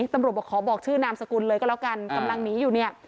บอกขอบอกชื่อนามสกุลเลยก็แล้วกันกำลังหนีอยู่เนี่ย